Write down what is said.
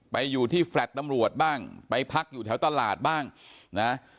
ไปอยู่ที่แฟลต์ตำรวจบ้างไปพักอยู่แถวตลาดบ้างนะ